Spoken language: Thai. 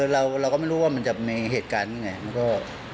เราก็ไม่รู้ว่ามันจะในเหตุการณ์ยังไง